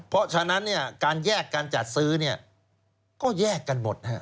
เพราะฉะนั้นการแยกการจัดซื้อก็แยกกันหมด